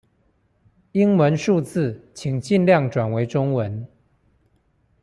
英文數字請盡量轉為中文